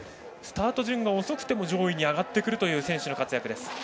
スタート順が遅くても上位に上がってくる選手の活躍。